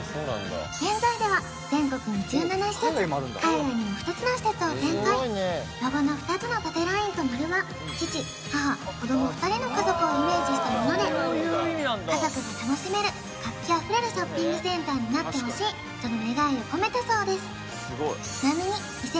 現在ではを展開ロゴの２つの縦ラインと丸は父母子ども２人の家族をイメージしたもので家族が楽しめる活気あふれるショッピングセンターになってほしいとの願いを込めたそうです